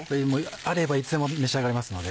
あればいつでも召し上がれますので。